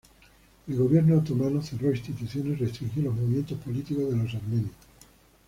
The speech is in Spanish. El gobierno otomano cerró instituciones y restringió los movimientos políticos de los armenios.